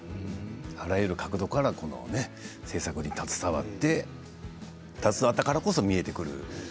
あらゆる角度から制作に携わったからこそ見えてくる。